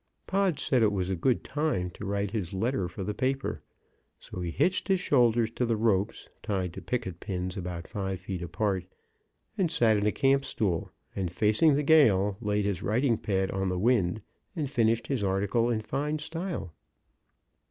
Pod said it was a good time to write his letter for the paper. So he hitched his shoulders to ropes tied to picket pins about five feet apart, and sat in a camp stool, and, facing the gale, laid his writing pad on the wind, and finished his article in fine style.